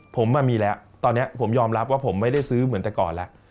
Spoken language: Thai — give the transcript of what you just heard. ผมมีแล้วตอนนี้ผมยอมรับว่าผมไม่ได้ซื้อเหมือนแต่ก่อนแล้ว